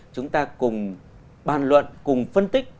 chúng ta cùng bàn luận cùng phân tích